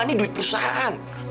ini duit perusahaan